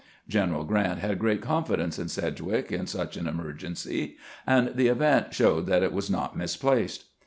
General Grant had great confidence in Sedgwick in such an emergency, and the event showed that it was not misplaced.